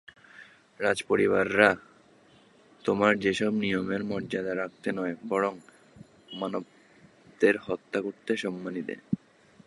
রাজপরিবার তোমায় সেসব নিয়মের মর্যাদা রাখতে নয়, বরং দানবদের হত্যা করতে সম্মানী দেয়।